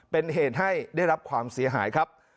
เป็นเหตุให้ได้รับความเสียหายครับ